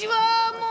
もう。